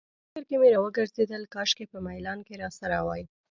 په فکر کې مې راوګرځېدل، کاشکې په میلان کې راسره وای.